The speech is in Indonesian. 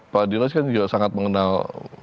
pak dinas kan juga sangat mengenal